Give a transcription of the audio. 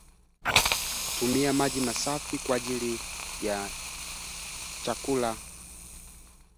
Upele wa mdomoni wa kuambukizana